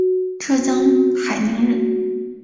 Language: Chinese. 浙江海宁人。